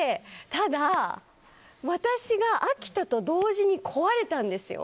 ただ、私が飽きたと同時に壊れたんですよ。